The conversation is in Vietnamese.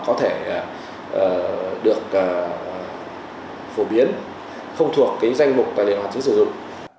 nó có thể được phổ biến không thuộc danh mục tài liệu hoàn chỉnh sử dụng